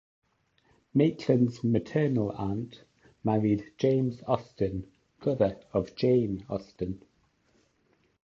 Maitland's maternal aunt married James Austin, brother of Jane Austen.